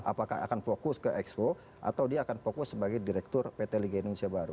apakah akan fokus ke expo atau dia akan fokus sebagai direktur pt liga indonesia baru